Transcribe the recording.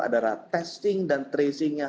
adalah testing dan tracingnya